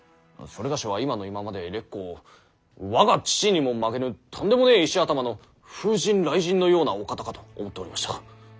某は今の今まで烈公を我が父にも負けぬとんでもねぇ石頭の風神雷神のようなお方かと思っておりました。